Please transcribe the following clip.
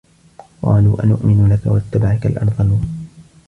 قالوا أَنُؤمِنُ لَكَ وَاتَّبَعَكَ الأَرذَلونَ